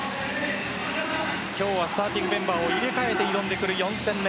今日はスターティングメンバーを入れ替えて挑んでくる４戦目。